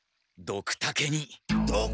ドクタケに！？